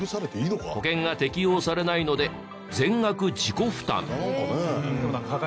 保険が適用されないので全額自己負担。